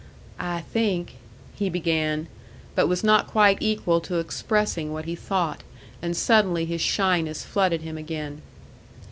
"I think " he began, but was not quite equal to expressing what he thought, and suddenly his shyness flooded him again.